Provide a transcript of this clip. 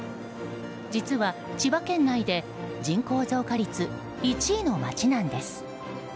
実は千葉県内で人口増加率１位の街なんです。